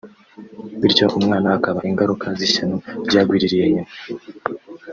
bityo umwana akaba ingaruka z’ishyano ryagwiririye nyina